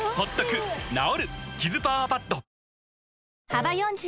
幅４０